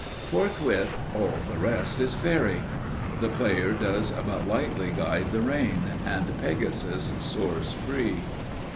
Forthwith, all the rest is faery. The player does but lightly guide the rein, and Pegasus soars free.